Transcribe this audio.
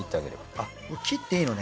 あっ切っていいのね